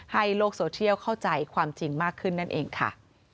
โลกโซเชียลเข้าใจความจริงมากขึ้นนั่นเองค่ะ